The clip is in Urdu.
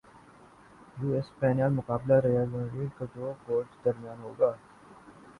یو ایس اوپنفائنل مقابلہ راجر فیڈرر اور جوکووچ کے درمیان ہوگا